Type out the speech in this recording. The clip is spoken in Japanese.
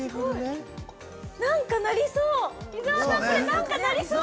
◆なんかなりそう。